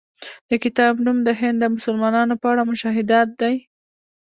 د کتاب نوم د هند د مسلمانانو په اړه مشاهدات دی.